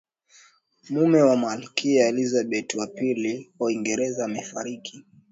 mume wa malkia elizabeth wa pili wa uingereza amefariki